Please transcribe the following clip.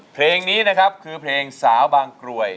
เพลงนี้นะครับคือเพลงสาวบางกรวย